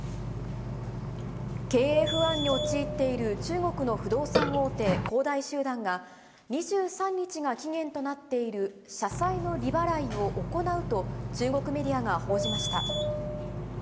経営不安に陥っている中国の不動産大手、恒大集団が、２３日が期限となっている社債の利払いを行うと、中国メディアが報じました。